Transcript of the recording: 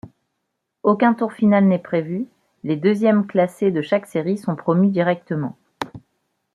Aucun tour final n'est prévu, les deuxième classés de chaque série sont promus directement.